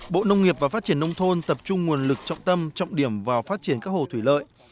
bộ nông nghiệp và phát triển nông thôn tập trung nguồn lực trọng tâm trọng điểm vào phát triển các hồ thủy lợi